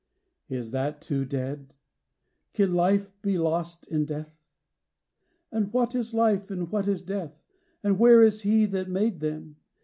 XIII. "Is that, too, dead? Can Life be lost in Death? And what is life and what is Death? And where Is He that made them?